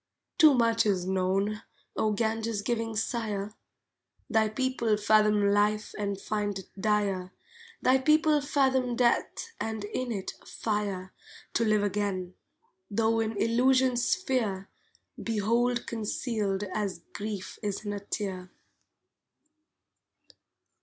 Too much is known, O Ganges giving sire; Thy people fathom life and find it dire, Thy people fathom death, and, in it, fire To live again, tho in Illusion's sphere, Behold concealed as Grief is in a tear.